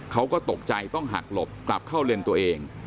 เขาก็ตกใจต้องหักหลบกลับเข้าเลนตัวเอง